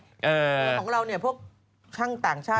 คือของเราเนี่ยพวกช่างต่างชาติ